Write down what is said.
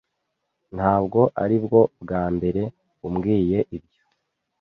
Ntabwo aribwo bwa mbere umbwiye ibyo.